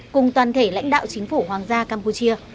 cùng toàn thể lãnh đạo chính phủ hoàng gia campuchia